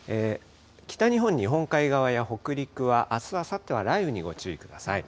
北日本、日本海側や北陸はあす、あさっては雷雨にご注意ください。